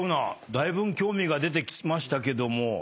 だいぶん興味が出てきましたけども。